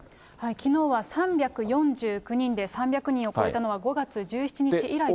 きのうは３４９人で、３００人を超えたのは５月１７日以来となっています。